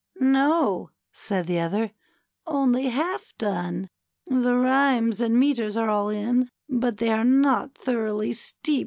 ^^No/' said the other^ ^^only half done. The rhymes and metres are all in^ but they are not thoroughly steeped in ideas yet.